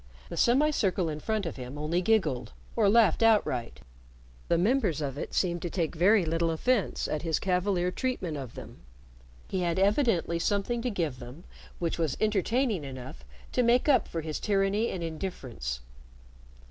The semicircle in front of him only giggled or laughed outright. The members of it seemed to take very little offense at his cavalier treatment of them. He had evidently something to give them which was entertaining enough to make up for his tyranny and indifference.